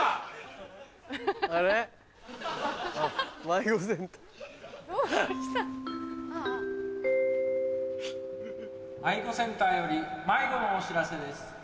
迷子センターより迷子のお知らせです。